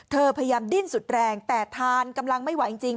พยายามดิ้นสุดแรงแต่ทานกำลังไม่ไหวจริง